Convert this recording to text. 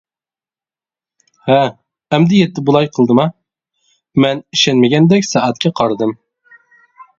-ھە؟ ئەمدى يەتتە بۇلاي قىلدىما؟ -مەن ئىشەنمىگەندەك سائەتكە قارىدىم.